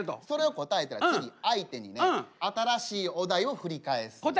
それを答えたら次相手にね新しいお題を振り返す。